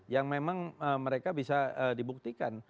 yang memang mereka bisa dibuktikan